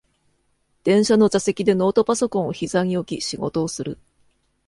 電車の座席でノートパソコンをひざに置き仕事をする